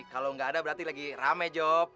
kalau nggak ada berarti lagi rame job